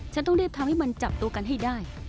ฉันต้องรีบทำให้มันจับตัวกันให้ได้